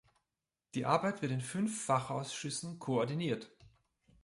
Die Arbeit wird in fünf Fachausschüssen koordiniert.